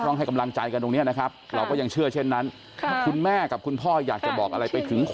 นะครับเราก็ยังเชื่อเช่นนั้นคุณแม่กับคุณพ่อยอยากจะบอกอะไรไปติด